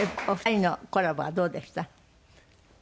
お二人のコラボはどうでした？